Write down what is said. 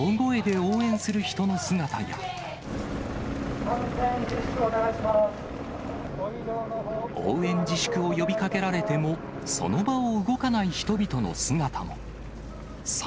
応援自粛を呼びかけられても、その場を動かない人々の姿も。